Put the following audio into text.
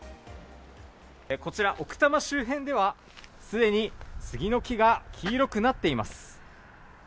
こちら、奥多摩周辺ではすでにスギの木が黄色くなっています。